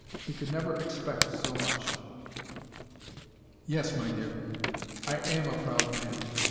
He could never EXPECT so much." "Yes, my dear. I AM a proud man.